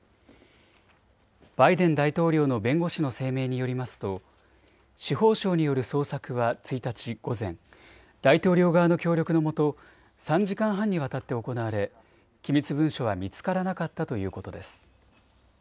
バイデン大統領の弁護士の声明によりますと司法省による捜索は１日午前、大統領側の協力のもと３時間半にわたって行われ機密文書は見つからなかったということです。